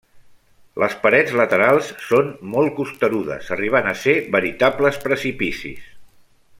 Les parets laterals són molt costerudes arribant a ser veritables precipicis.